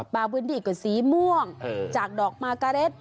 บางพื้นที่กว่าสีม่วงจากดอกมากาเลส